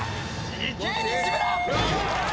いけ西村！